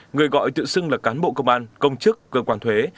người gọi tự xưng là cán bộ công an công chức cơ quan thuế